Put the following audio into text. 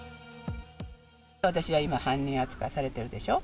私は今、犯人扱いされてるでしょ。